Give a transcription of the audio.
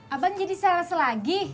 abang jadi selesel lagi